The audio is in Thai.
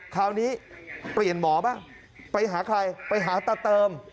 คราวนี้เปลี่ยนหมอบ้างไปหาใครไปหาตาเติม